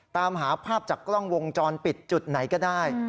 ตามหาภาพจากกล้องวงจรปิดจุดไหนก็ได้